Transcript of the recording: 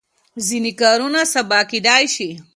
ځینې کارونه سبا کېدای شي.